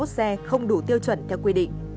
năm trăm hai mươi một xe không đủ tiêu chuẩn theo quy định